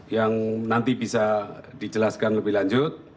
yang nanti bisa dijelaskan lebih lanjut